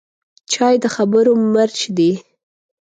چای د خبرو مرچ دی